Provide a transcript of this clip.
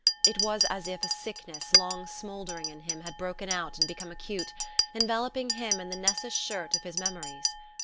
It was as if a sickness long smouldering in him had broken out and become acute, enveloping him in the Nessus shirt of his memories.